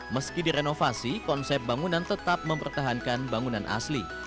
meski direnovasi konsep bangunan tetap mempertahankan bangunan asli